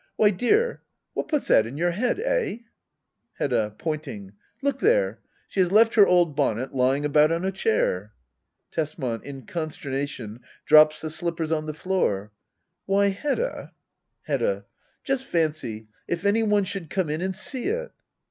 Why, dear, what puts that in your head ? Eh ? Hedda. [Poiniing.] Look there ! She has left her old bonnet lying about on a chair. Tesman. tin canttemaHon, drops the slippers on the flo9r.] ly, Hedda Hedda. Just fancy, if any one should come in and see it